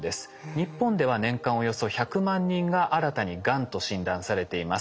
日本では年間およそ１００万人が新たにがんと診断されています。